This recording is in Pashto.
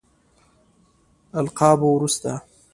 القابو وروسته.